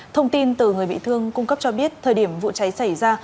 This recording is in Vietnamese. thông tin từ người bị thương cung cấp cho biết thời điểm vụ cháy xảy ra